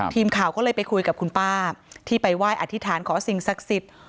ทีมข่าวก็เลยไปคุยกับคุณป้าที่ไปไหว้อธิษฐานขอสิ่งศักดิ์สิทธิ์